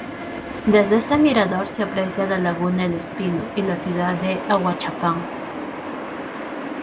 Desde este mirador se aprecia la Laguna El Espino y la Ciudad de Ahuachapán.